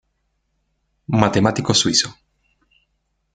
Matemático suizo.